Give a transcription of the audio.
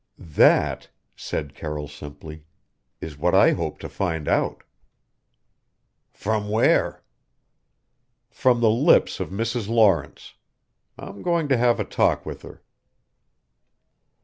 "That," said Carroll simply, "is what I hope to find out." "From where?" "From the lips of Mrs. Lawrence. I'm going to have a talk with her."